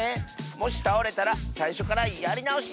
もしたおれたらさいしょからやりなおし！